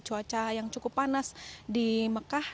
cuaca yang cukup panas di mekah